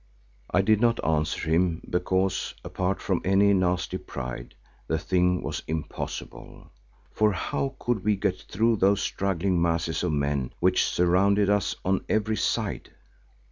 I did not answer him because, apart from any nasty pride, the thing was impossible, for how could we get through those struggling masses of men which surrounded us on every side?